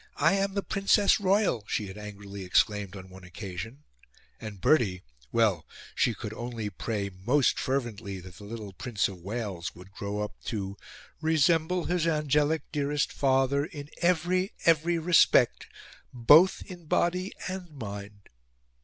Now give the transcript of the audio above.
I am the Princess Royal!" she had angrily exclaimed on one occasion); and Bertie well, she could only pray MOST fervently that the little Prince of Wales would grow up to "resemble his angelic dearest Father in EVERY, EVERY respect, both in body and mind."